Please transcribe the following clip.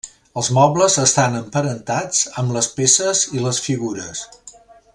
Els mobles estan emparentats amb les peces i les figures.